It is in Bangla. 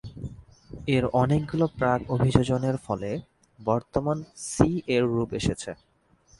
এর অনেকগুলো প্রাক-অভিযোজনের ফলে বর্তমান সি এর রূপ এসেছে।